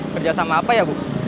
kerja sama apa ya bu